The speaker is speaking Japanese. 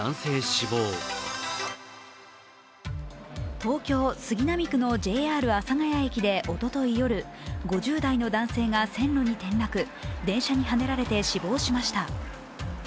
東京・杉並区のＪＲ阿佐ケ谷駅でおととい夜、５０代の男性が線路に転落、電車にはねられて死亡しました。